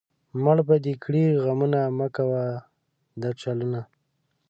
مړ به دې کړي غمونه، مۀ کوه دا چلونه